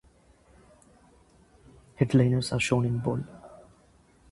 Headliners are shown in bold.